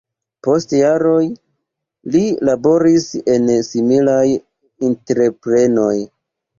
Post jaroj li laboris en similaj entreprenoj.